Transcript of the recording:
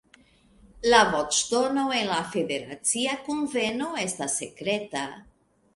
La voĉdono en la Federacia Kunveno estas sekreta.